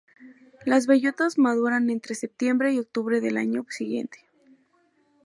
Las bellotas maduran entre septiembre y octubre del año siguiente.